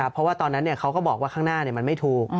เพราะว่าตอนนั้นเขาก็บอกว่าข้างหน้ามันไม่ถูก